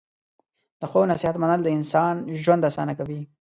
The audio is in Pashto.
د ښو نصیحت منل د انسان ژوند اسانه کوي.